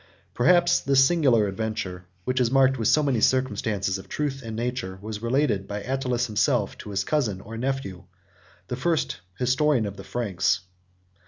Perhaps this singular adventure, which is marked with so many circumstances of truth and nature, was related by Attalus himself, to his cousin or nephew, the first historian of the Franks.